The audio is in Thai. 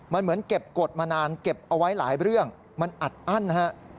มันเหมือนเก็บกฎมานานเก็บเอาไว้หลายเรื่องมันอัดอั้นฮะ